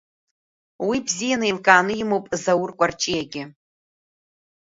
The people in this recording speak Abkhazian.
Уи ибзиа ны еилкааны имоуп Заур Кәарҷиагьы.